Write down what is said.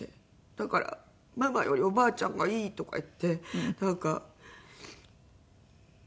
「だからママよりおばあちゃんがいい」とか言ってなんかおばあちゃんと。